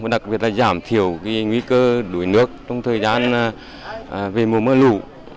và đặc biệt là giảm thiểu nguy cơ đuối nước trong thời gian về mùa mưa lũ